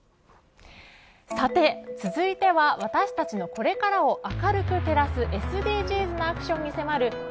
さて、続いては私たちのこれからを明るく照らすＳＤＧｓなアクションに迫る＃